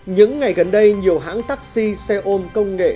những ngày gần đây nhiều hãng taxi xe ôm công nghệ